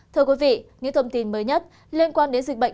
thưa quý vị những thông tin mới nhất liên quan đến dịch bệnh